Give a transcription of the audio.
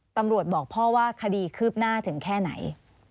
บอกพ่อว่าคดีคืบหน้าถึงแค่ไหน